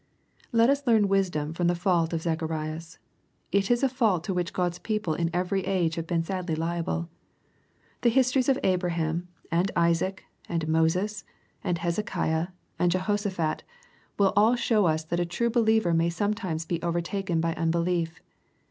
Let us leaf:n wisdom from the fault of Zacharias. I^ is a fault to which God's people in every age have been sadly liable. The histories of Abraham, and Isaac^ and 18 EXPOSITORT THOUGHTS. Moses^ and Hezekiah^ and Jehoshaphat, will all show us that a true believer may sometimes be overtaken by un belief.